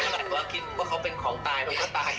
แล้วเวลาคิดว่าเขาเป็นของตายแล้วเขาตายเลย